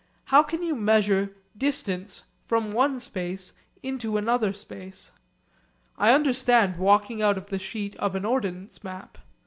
How can you measure distance from one space into another space? I understand walking out of the sheet of an ordnance map.